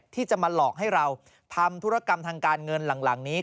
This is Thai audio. ที่จะมาหลอกให้เราทำธุรกรรมทางการเงินหลังนี้